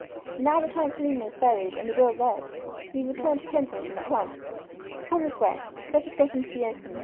Now that Aunt Selina is buried and the will read, we return to Kensington at once. Come this way. Let us get into the open.